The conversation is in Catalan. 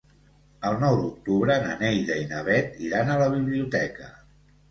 El nou d'octubre na Neida i na Bet iran a la biblioteca.